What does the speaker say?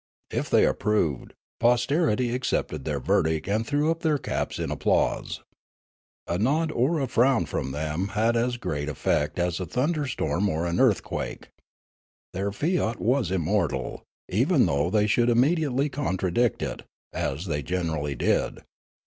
If they approved, posterity accepted their verdict and threw up their caps in ap plause. A nod or a frown from them had as great effect as a thunder storm or an earthquake. Their fiat was immortal, even though they should immediately contradict it, as they generally did.